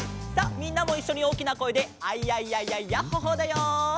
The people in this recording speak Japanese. みんなもいっしょにおおきなこえで「アイヤイヤイヤイヤッホ・ホー」だよ。